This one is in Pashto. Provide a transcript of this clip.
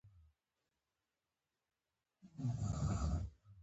د لیمو پوستکی د څه لپاره وکاروم؟